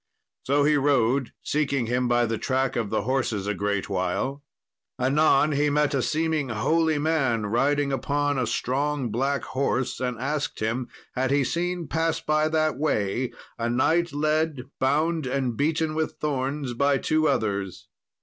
So he rode, seeking him by the track of the horses a great while. Anon he met a seeming holy man riding upon a strong black horse, and asked him, had he seen pass by that way a knight led bound and beaten with thorns by two others.